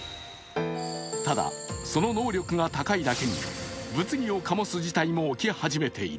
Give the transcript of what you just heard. ただ、その能力が高いだけに物議を醸す事態も起き始めている。